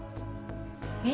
え？